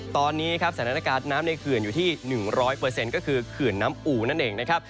ตอนนี้ครับสถานการณ์น้ำในเขื่อนอยู่ที่๑๐๐ก็คือเขื่อนน้ำอูนั่นเองนะครับ